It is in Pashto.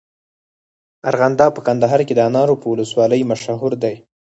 ارغنداب په کندهار کي د انارو په ولسوالۍ مشهوره دی.